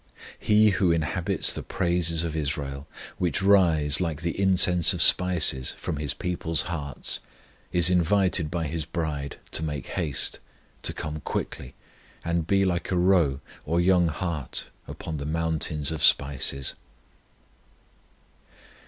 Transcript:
He who inhabits the praises of Israel, which rise, like the incense of spices, from His people's hearts, is invited by His bride to make haste, to come quickly, and be like a roe or young hart upon the mountains of spices.